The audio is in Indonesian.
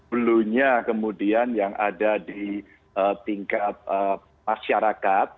belumnya kemudian yang ada di tingkat masyarakat